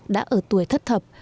đã ở tuổi thất thập